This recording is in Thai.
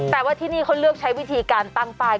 แต่ว่าที่นี่เขาเลือกใช้วิธีการตั้งป้าย